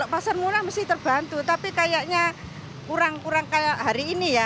pasar murah mesti terbantu tapi kayaknya kurang kurang kayak hari ini ya